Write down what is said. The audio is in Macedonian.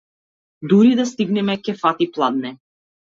Дури да стигнеме ќе фати пладне.